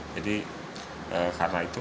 jadi karena itu